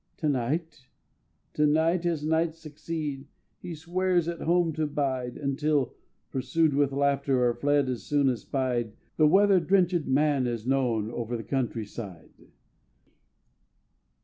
To night, to night, as nights succeed, He swears at home to bide, Until, pursued with laughter Or fled as soon as spied, The weather drenchèd man is known Over the country side!